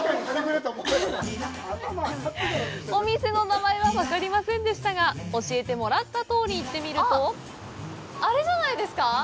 お店の名前は分かりませんでしたが教えてもらったとおり行ってみるとあっ、あれじゃないですか。